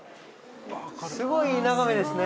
すごいいい眺めですね。